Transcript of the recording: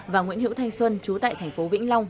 và nguyễn hữu thanh xuân chú tại thành phố vĩnh long